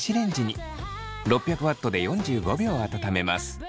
６００Ｗで４５秒温めます。